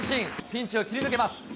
ピンチを切り抜けます。